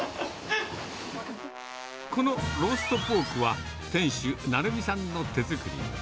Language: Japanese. このローストポークは、店主、成美さんの手作り。